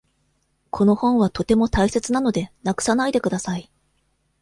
この本はとても大切なので、なくさないでください。